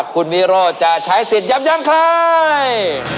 คุณวิโรธจะใช้สิทธิ์ยับยั้งใคร